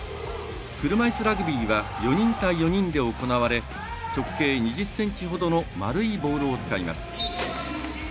車いすラグビーは４人対４人で行われ直径２１ｃｍほどの丸いボールを使います。